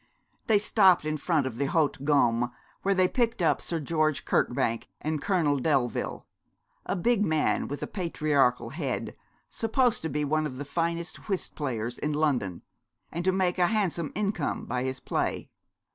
They stopped in front of the Haute Gomme, where they picked up Sir George Kirkbank and Colonel Delville, a big man with a patriarchal head, supposed to be one of the finest whist players in London, and to make a handsome income by his play.